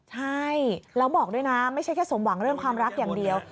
ใช่แล้วบอกด้วยนะไม่ใช่แค่สมหวังเรื่องความรักอย่างเดียว